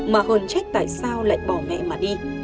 mà hơn trách tại sao lại bỏ mẹ mà đi